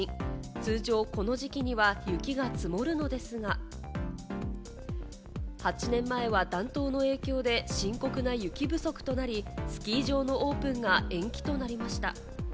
通常、この時期には雪が積もるのですが、８年前は暖冬の影響で深刻な雪不足となり、スキー場のオープンが延期となりました。